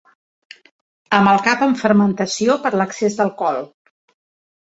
Amb el cap en fermentació per l'excés d'alcohol.